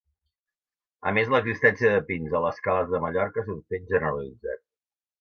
A més l'existència de pins a les cales de Mallorca és un fet generalitzat.